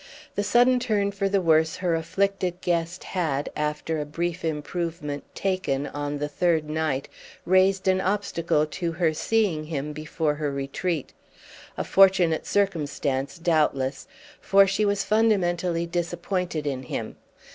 The sudden turn for the worse her afflicted guest had, after a brief improvement, taken on the third night raised an obstacle to her seeing him before her retreat; a fortunate circumstance doubtless, for she was fundamentally disappointed in him.